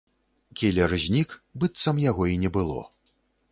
Кілер знік, быццам яго і не было.